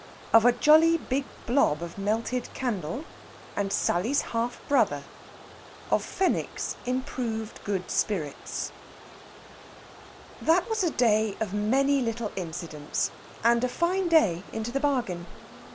OF A JOLLY BIG BLOB OF MELTED CANDLE, AND SALLY'S HALF BROTHER. OF FENWICK'S IMPROVED GOOD SPIRITS That was a day of many little incidents, and a fine day into the bargain.